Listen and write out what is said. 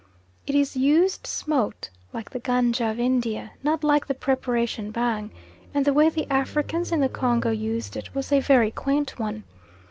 It is used smoked, like the ganja of India, not like the preparation bhang, and the way the Africans in the Congo used it was a very quaint one.